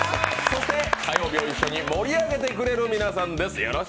そして火曜日を一緒に盛り上げてくれる皆さんです。